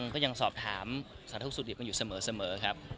ก็ยังสอบถามสาธุสุดิบกันอยู่เสมอครับ